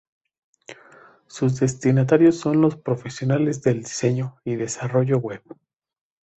Sus destinatarios son los profesionales del diseño y desarrollo Web.